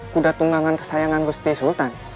kuda tunggangan kesayangan gusti sultan